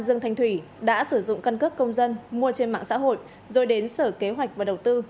dương thanh thủy đã sử dụng căn cước công dân mua trên mạng xã hội rồi đến sở kế hoạch và đầu tư